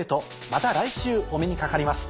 また来週お目にかかります。